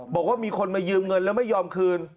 บอกว่ามีคนมายืมเงินแล้วไม่ยอมคืน